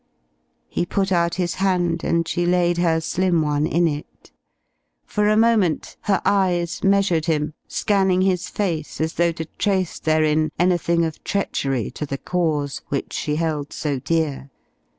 He put out his hand and she laid her slim one in it. For a moment her eyes measured him, scanning his face as though to trace therein anything of treachery to the cause which she held so dear.